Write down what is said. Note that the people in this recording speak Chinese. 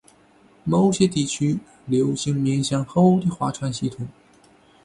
某些地区流行面向后的划船系统。